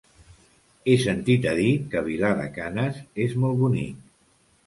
He sentit a dir que Vilar de Canes és molt bonic.